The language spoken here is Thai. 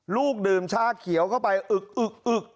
ลูกดื่มชาเขียวเข้าไปอึกอึกอึก